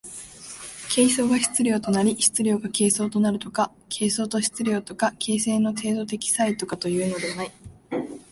形相が質料となり質料が形相となるとか、形相と質料とか形成の程度的差異とかというのではない。